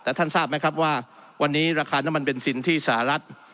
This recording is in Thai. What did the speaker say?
แต่ท่านทราบไหมครับว่าวันนี้ราคาน้ำมันเบนซินที่สหรัฐ